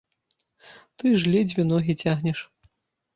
Ты ж ледзьве ногі цягнеш.